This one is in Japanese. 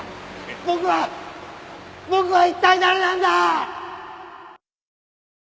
僕は僕は一体誰なんだ！？